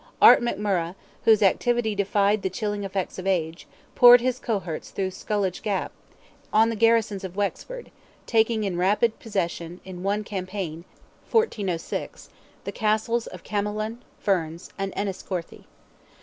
Art McMurrogh, whose activity defied the chilling effects of age, poured his cohorts through Sculloge gap, on the garrisons of Wexford, taking in rapid possession in one campaign (1406) the castles of Camolin, Ferns, and Enniscorthy.